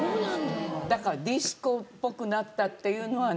だからディスコっぽくなったっていうのはなんだっけ？